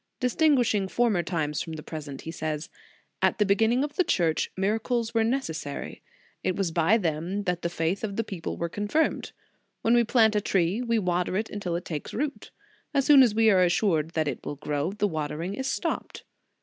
Distinguishing former times from the present, he says: "At the beginning of the Church, miracles were ne cessary. It was by them that the faith of the people was confirmed. When we plant a * De civ. Dei, lib. xvii. 17 1 94 The Sign of the Cross tree, we water it until it takes root. As soon as we are assured that it will grow, the watering is stopped.